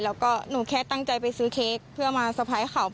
แล้วก็หนูแค่ตั้งใจไปซื้อเค้กเพื่อมาสะพายเขา